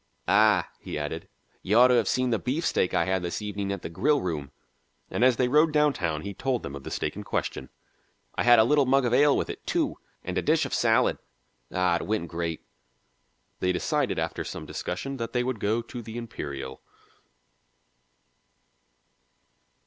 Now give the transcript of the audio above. "Ah," he added, "you ought to have seen the beefsteak I had this evening at the Grillroom." And as they rode downtown he told them of the steak in question. "I had a little mug of ale with it, too, and a dish of salad. Ah, it went great." They decided after some discussion that they would go to the Imperial.